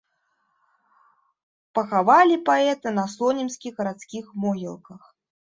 Пахавалі паэта на слонімскіх гарадскіх могілках.